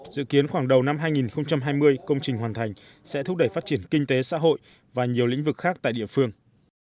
dự kiến khoảng đầu năm hai nghìn hai mươi công trình hoàn thành sẽ thúc đẩy phát triển kinh tế xã hội và nhiều lĩnh vực khác tại địa phương